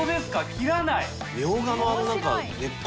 切らない？